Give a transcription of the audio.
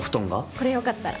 これ、良かったら。